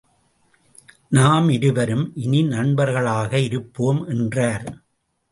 நாம் இருவரும் இனி நண்பர்களாக இருப்போம் என்றார்.